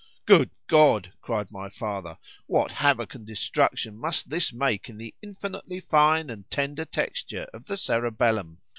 —Good God! cried my father, what havock and destruction must this make in the infinitely fine and tender texture of the cerebellum!